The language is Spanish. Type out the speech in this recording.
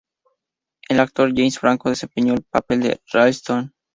El actor James Franco desempeñó el papel de Ralston.